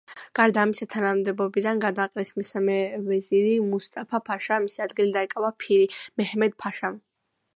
გარდა ამისა თანამდებობიდან გადააყენეს მესამე ვეზირი მუსტაფა-ფაშა, მისი ადგილი დაიკავა ფირი მეჰმედ-ფაშამ.